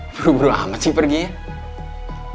beruru uru amat sih perginya